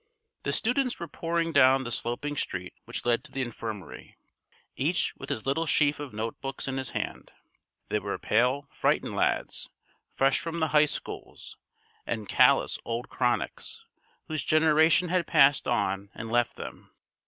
The students were pouring down the sloping street which led to the infirmary each with his little sheaf of note books in his hand. There were pale, frightened lads, fresh from the high schools, and callous old chronics, whose generation had passed on and left them.